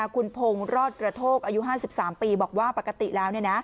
คุณพงศ์รอดกระโทกอายุ๕๓ปีบอกว่าปกติแล้ว